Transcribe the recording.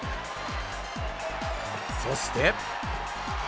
そして。